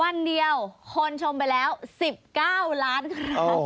วันเดียวคนชมไปแล้ว๑๙ล้านครั้ง